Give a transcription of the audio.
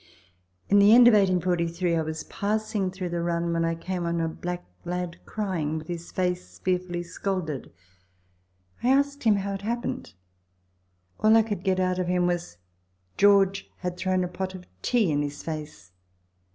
In the end of 1843 I was passing through the run, and came on a black lad crying, with his face fearfully scalded. I asked him how it happened. All I could get out of him was, " George had thrown a pot of tea in his face."